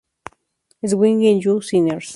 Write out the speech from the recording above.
Swing You Sinners!